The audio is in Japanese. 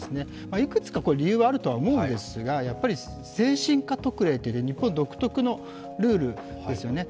いくつか理由はあるとは思うんですが、やっぱり精神科特例という日本独特のルールですよね。